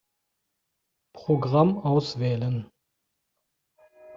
Programm auswählen.